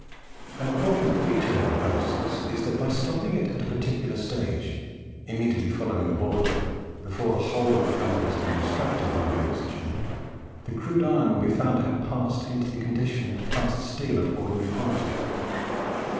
An important feature in the process is, that by stopping it at a particular stage, immediately following the boil, before the whole of the carbon has been abstracted by the oxygen, the crude iron will be found to have passed into the condition of cast steel of ordinary quality.